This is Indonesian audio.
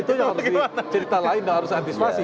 itu yang harus dicerita lain dan harus antisipasi